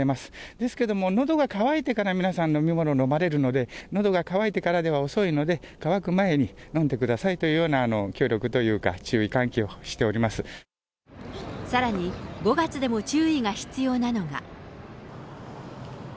ですけども、のどが渇いてから皆さん飲み物飲まれるので、のどが渇いてからでは遅いので、渇く前に飲んでくださいというようなきょうりょくというか、さらに、５月でも注意が必要なのが。